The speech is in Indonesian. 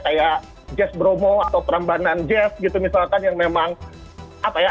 kayak jazz bromo atau perembanan jazz gitu misalkan yang memang apa ya